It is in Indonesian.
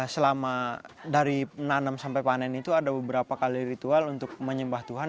selama dari nanam sampai panen itu ada beberapa kali ritual untuk menyembah tuhan